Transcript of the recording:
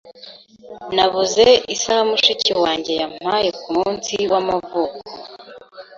Nabuze isaha mushiki wanjye yampaye kumunsi w'amavuko.